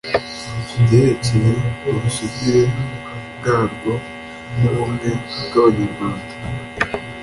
ku byerekeye ubusugire bwarwo n'ubumwe bw'abanyarwanda